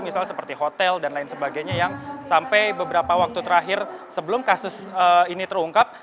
misalnya seperti hotel dan lain sebagainya yang sampai beberapa waktu terakhir sebelum kasus ini terungkap